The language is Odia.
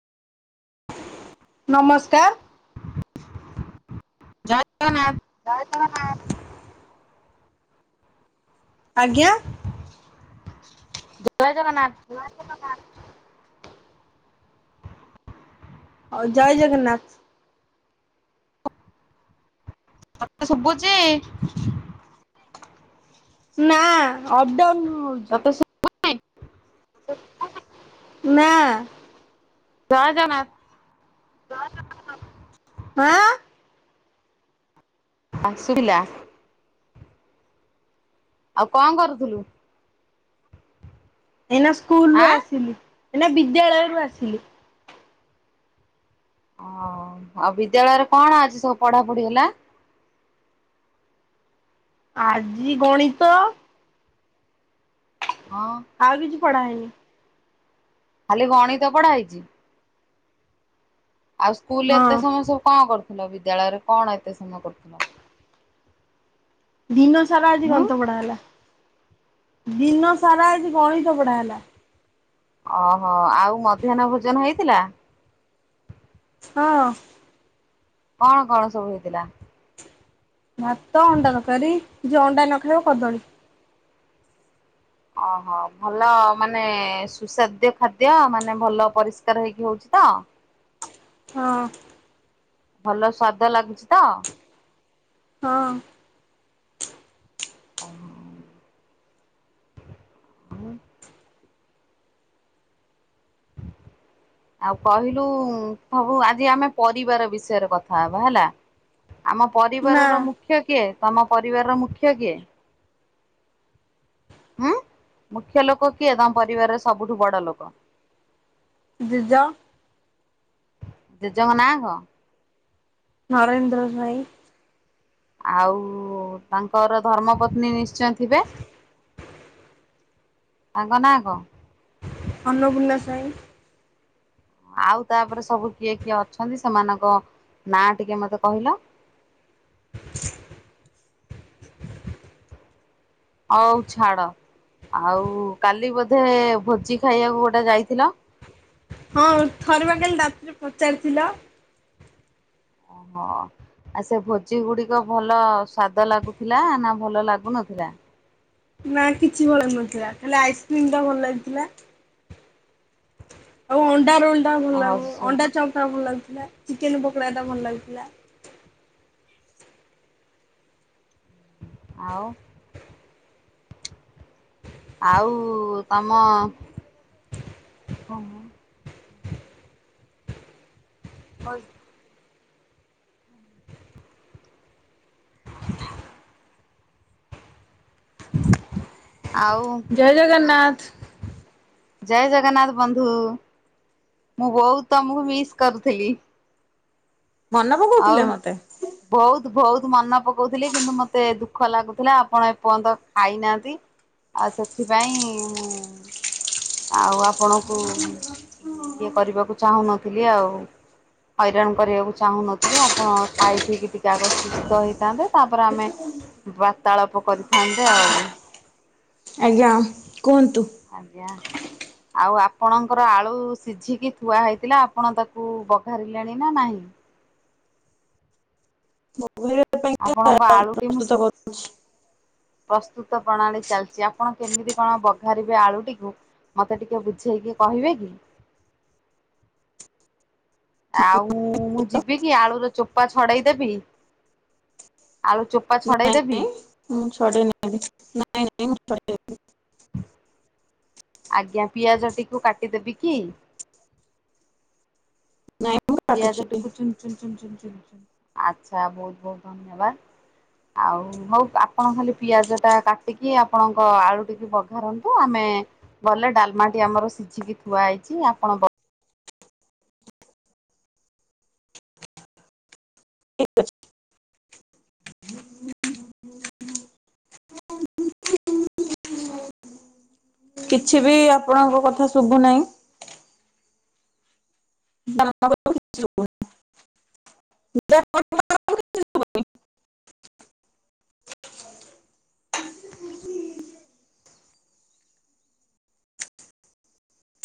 ନମସ୍କାର କ ନା [inaudible] ଆଜ୍ଞା ଜୟ ଜଗନ୍ନାଥ [inaudible] ହଉ ଜୟ ଜଗନ୍ନାଥ ତତେ ଶୁଭୁଛି ନାଁ ଅବଡାଉଁନୁନ। ତତେ ଶୁଭୁ ତତେ ଶୁଭା ଯାଉନି ନାଁ। ଜୟ ଜଗନ୍ନାଥ। ଜୟ ଜଗନ୍ନାଥ ଆଁ। ହାଁ ଶୁଭିଲା। ଆଉ କଣ କରୁଥୁଲୁ? ଏଇନା ସ୍କୁଲ ରୁ ଆଁ? ଆସିଲି ଏଇନା ବିଦ୍ୟାଳୟରୁୁ ଆସିଲି। ଓ ହଁ ଆଉ ବିଦ୍ୟାଳୟରେ କଣ ଆଜି ସବୁ ପଢାପଢି ହେଲା? ଆଜି ଗଣିତ। ହଁ। ଆଉ କିଛି ପଢା ହେଇନି। ଖାଲି ଗଣିତ ପଢା ହେଇଛି। ଆଉ ସ୍କୁଲରେ ଏତେ ହଁ ସମୟ ସବୁ କଣ କରୁଥୁଲ ବିଦ୍ୟାଳୟରେ କଣ ଏତେ ସମୟ କରୁଥୁଲ? ଦିନ ସାରା ଆଜି ହୁଁ ଗଣିତ ପଢା ହେଲା। ଦିନ ସାରା ଆଜି ଗଣିତ ପଢା ହେଲା। ଓ ହୋ ଆଉ ମଧ୍ୟାହ୍ନ ଭୋଜନ ହେଇଥିଲା। ହଁ। କଣ କଣ ସବୁ ହେଇଥିଲା? ଭାତ ଅଣ୍ଡା ତରକାରୀ ଯିଏ ଅଣ୍ଡା ନ ଖାଇବ କଦଳୀ। ଓ ହୋ ଭଲ ମାନେ ସୁସ୍ଵାଦ୍ୟ ଖାଦ୍ୟ ମାନେ ଭଲ ପରିଷ୍କାର ହେଇକି ହଉଛି ତ। ହଁ। ଭଲ ସ୍ଵାଦ ଲାଗୁଛି ତ? ହଁ। ଆଁ ହାଁ। ଆଉ କହିଲୁ ସବୁ ଆଜି ଆମେ ପରିବାର ବିଷୟରେ କଥା ହବା ହେଲା। ଆମ ନା ପରିବାର ର ମୁଖ୍ୟ କିଏ? ତମ ପରିବାରର ମୁଖ୍ୟ କିଏ? ଉଁହୁଁ ମୁଖ୍ୟ ଲୋକ କିଏ? ତମ ପରିବାରର ସବୁଠୁ ବଡ ଲୋକ। ଜେଜ। ଜେଜେଙ୍କ ନାଁ କଣ? ନରେନ୍ଦ୍ର ସ୍ବାଇଁ। ଆଉଁ ତାଙ୍କର ଧର୍ମ ପତ୍ନୀ ନିଶ୍ଚୟେ ଥିବେ। ତାଙ୍କ ନାଁ କଣ? ଅନ୍ନପୂର୍ଣ୍ଣ ସ୍ୱାଇଁ। ଆଉ ତାପରେ ସବୁ କିଏ କିଏ? ଅଛନ୍ତି ସେମାନଙ୍କ ନାଁ ଟିକେ ମତେ କହିଲ? ହଉ ଛାଡ ଆଉ କାଲି ବୋଧେ ଭୋଜି ଖାଇବାକୁ ଗୋଟେ ଯାଇଥିଲ। ହଁ ଥରେ ବା କାଲି ରାତିରେ ପଚାରିଥିଲ। ଓ ହୋ। ଆ ସେ ଭୋଜି ଗୁଡିକ ଭଲ ସ୍ଵାଦ ଲାଗୁଥିଲା। ନାଁ ଭଲ ଲାଗୁନଥିଲା? ନାଁ କିଛି ଭଲ ଲାଗୁ ନଥିଲା। ଖାଲି ଆଇସ୍କ୍ରିମ ଟା ଭଲ ଲାଗିଥିଲା। ଆଉ ଅଣ୍ଡା ରୋଲ ଟା ଭଲ ଓହୋ ଲାଗୁ ସେ ଅଣ୍ଡା ଚପ୍ ଟା ଭଲ ଲାଗୁଥୁଲା ଚିକେନ ପକୋଡା ଟା ଭଲ ଲାଗୁଥୁଲା। ଆଉଁ। ଆଉ ତମ କଣ? ହୋଇ। ଆଉଁ। ଜୟ ଜଗନ୍ନାଥ। ଜୟ ଜଗନ୍ନାଥ ବନ୍ଧୁ ମୁଁ ବହୁତ୍ ତମକୁ ମିସ୍ କରୁଥିଲି। ମନ ପକଉଥିଲେ ମତେ? ବହୁତ୍ ବହୁତ୍ ମନେ ପକଉଥିଲେ କିନ୍ତୁ ମତେ ଦୁଃଖ ଲାଗୁଥିଲା ଆପଣ ଏପର୍ଯ୍ୟନ୍ତ ଖାଇନାହାନ୍ତି। ଆଉ ସେଥିପାଇଁ ମୁଁ ଆଉ ଆପଣଙ୍କୁ ମାନେ ଇଏ କରିବାକୁ ଚାହୁଁନଥିଲି ଆଉ। ହଇରାଣ କରିବାକୁ ଚାହୁଁନଥିଲି ଆପଣ ଖାଇ ପିଇକି ଟିକେ ଆଗ ସୁସ୍ଥ ହେଇଥାନ୍ତେ ତାପରେ ଆମେ ବାର୍ତ୍ତାଳାପ କରିଥାନ୍ତେ ଆଉ। ଆଜ୍ଞା କୁହନ୍ତୁ? ଆଜ୍ଞା। ଆଉ ଆପଣଙ୍କର ଆଳୁ ସିଝିକି ଥୁଆ ହେଇଥିଲା ଆପଣ ତାକୁ ବଘାରିଲେଣିନା ନାହିଁ? [unintelligible] ଆପଣଙ୍କ ଆଳୁଟି ମୁଁ ପ୍ରସ୍ତୁତ ଶି କରୁ ପ୍ରସ୍ତୁତ ପ୍ରଣାଳୀ ଚାଲିଚି ଆପଣ କେମିତି କଣ ବଘାରିବେ ଆଳୁଟିକୁ ମତେ ଟିକେ ବୁଝେଇକି କହିବେକି? ଆଉ ମୁଁ ଯିବିକି ଆଳୁର ଚୋପା ଛଡ଼େଇଦେବି ଆଳୁ ଚୋପ୍ ପା ଛଡ଼େଇ ନାଇଁ ଦେବି? ନାଇଁ ମୁଁ [unintelligible] ନାଇଁ ନାଇଁ ମୁଁ [unintelligible] ଆଜ୍ଞା ପିଆଜ ଟିକୁ କାଟିଦେବିକି? ନାଇଁ ମୁଁ ପିଆଜ କାଟୁଛି। ଟିକୁ ଚୁନ୍ ଚୁନ୍ ଚୁନ୍ ଚୁନ୍ ଆଛା ବହୁତ୍ ବହୁତ୍ ଧନ୍ୟବାଦ। ଆଉ ହଉ ଆପଣ ଖାଲି ପିଆଜଟା କାଟିକି ଆପଣଙ୍କ ଆଳୁ ଟିକେ ବଘାରନ୍ତୁ ଆମେ ଭଲେ ଡାଲ୍ମାଟି ଆମର ସିଝିକି ଥୁଆ ହେଇଚି ଆପଣ କ ଠିକ୍ ଅଛି। [inaudible] କିଛିବି ଆପଣଙ୍କ କଥା ଶୁବୁ ନାଈଁ। [unintelligible]